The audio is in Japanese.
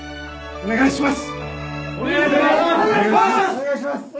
お願いします！